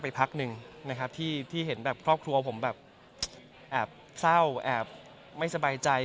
พักหนึ่งนะครับที่เห็นแบบครอบครัวผมแบบแอบเศร้าแอบไม่สบายใจ